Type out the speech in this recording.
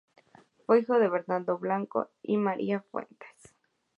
Fue hijo de Bernardo Blanco y María Fuentes.